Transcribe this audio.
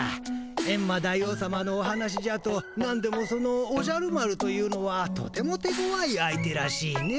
エンマ大王さまのお話じゃとなんでもそのおじゃる丸というのはとても手ごわい相手らしいね。